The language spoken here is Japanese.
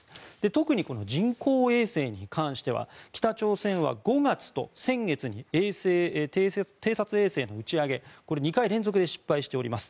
特に人工衛星に関しては北朝鮮は５月と先月に偵察衛星の打ち上げに２回連続で失敗しております。